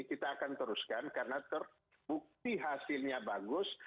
kita akan teruskan karena terbukti hasilnya bagus